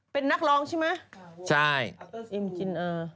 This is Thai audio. เป็นนักร้องใช่มั้ย